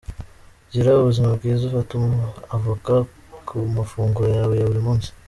Gira ubuzima bwiza ufata avoka ku mafunguro yawe ya buri munsi.